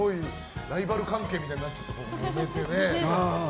ライバル関係みたいになっちゃった、もめてね。